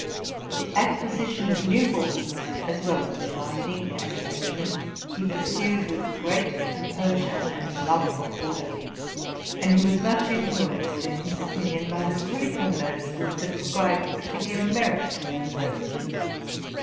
The acquisition of new books, as well as their binding and arrangement, he pursued with great com posure and loye of order; and he was much influenced in his opinion by the critical notices that ascribed particular merit to any work.